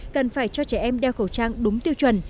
cần phải cho trẻ em đeo khẩu trang đúng tiêu chuẩn